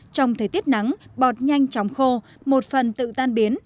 trong thời tiết nắng bọt nhanh chóng khô một phần tự tan biến